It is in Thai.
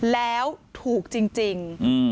แล้วถูกจริง